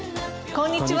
こんにちは。